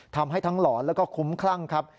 ทำให้ทั้งหลอนแล้วก็คุ้มคลั่งครับ